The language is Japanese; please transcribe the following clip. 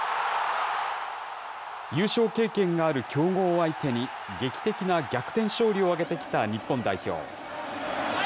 優勝経験がある強豪相手に、劇的な逆転勝利を挙げてきた日本代表。